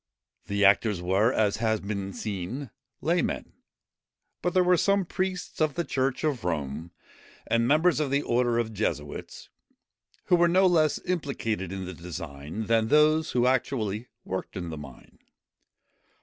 The actors were, as has been seen, laymen; but there were some priests of the church of Rome, and members of the order of Jesuits, who were no less implicated in the design than those who actually worked in the mine.